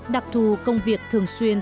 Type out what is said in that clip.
đặc thù công việc thường xuyên